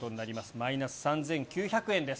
マイナス３９００円です。